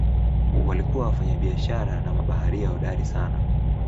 Walikuwa wafanyabiashara na mabaharia hodari sana.